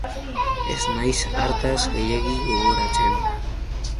Ez naiz hartaz gehiegi gogoratzen.